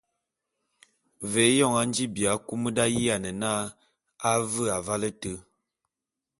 Ve éyoñ a nji bi akum d’ayiane na a ve avale éte.